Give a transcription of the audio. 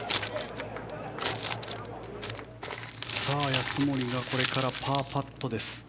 安森がこれからパーパットです。